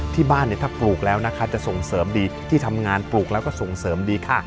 ที่บ้านเนี่ยถ้าปลูกแล้วนะคะจะส่งเสริมดีที่ทำงานปลูกแล้วก็ส่งเสริมดีค่ะ